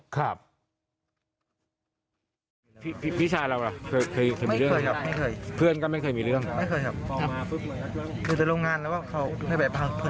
ครับ